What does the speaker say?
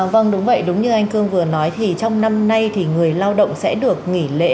vâng đúng vậy đúng như anh cương vừa nói thì trong năm nay thì người lao động sẽ được nghỉ lễ là một mươi bốn ngày